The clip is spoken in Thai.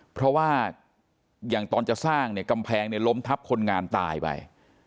เพราะซึ่งตอนสร้างกำแพงล้มทับคนงานตายไป